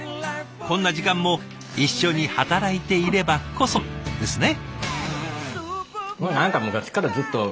こんな時間も一緒に働いていればこそですね。